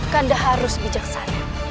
kanda harus bijaksana